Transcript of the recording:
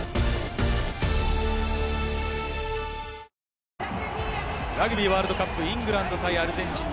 缶コーヒーの「ＢＯＳＳ」ラグビーワールドカップ、イングランド対アルゼンチン。